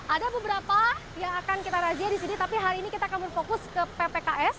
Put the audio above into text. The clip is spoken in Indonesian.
ada beberapa yang akan kita razia di sini tapi hari ini kita akan berfokus ke ppks